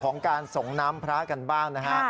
ของการส่งน้ำพระกันบ้างนะฮะ